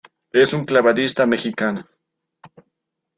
Es un clavadista mexicano.